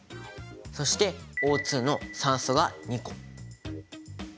そしてＯの酸素が２個。